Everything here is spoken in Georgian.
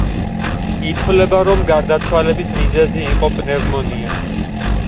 ითვლება რომ გარდაცვალების მიზეზი იყო პნევმონია.